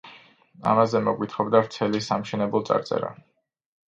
ამაზე მოგვითხრობდა ვრცელი სამშენებლო წარწერა.